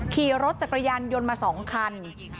ขี่รถจักรยานยนต์มา๒คัน